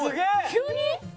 急に？